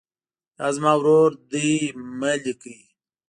دا زما ورور ده مه لیکئ.